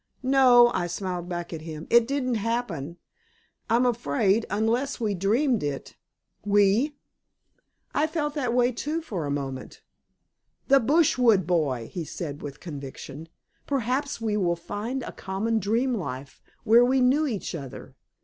"No," I smiled back at him. "It didn't happen, I'm afraid unless we dreamed it." "We?" "I felt that way, too, for a moment." "The Brushwood Boy!" he said with conviction. "Perhaps we will find a common dream life, where we knew each other.